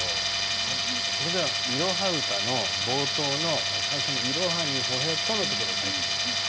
それでは「いろは歌」の冒頭の最初の「いろはにほへと」のところを書いてみましょうか。